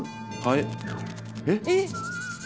えっ！？